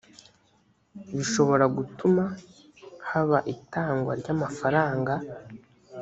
bishobora gutuma haba itangwa ry amafaranga